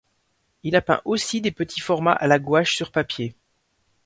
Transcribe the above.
Il a peint aussi des petits formats à la gouache sur papier.